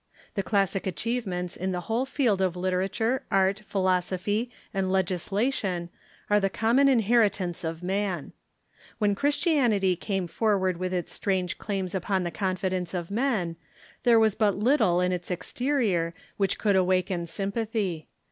The classic achievements in the whole field of litera ture, art, philosophy, and legislation are the common inheri tance of man. "When Christianity came forward with its strange claims upon the confidence of men, there was but lit tle in its exterior which could awaken sympathy.